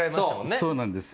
そうなんですよ。